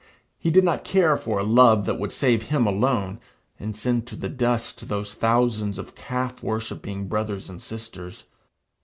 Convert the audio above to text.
He did not care for a love that would save him alone, and send to the dust those thousands of calf worshipping brothers and sisters.